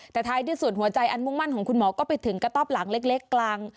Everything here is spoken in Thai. แต่ท้ายที่สุดหัวใจอันมุ่งมั่นของคุณหมอก็ไปถึงกระต๊อบหลังเล็กกลาง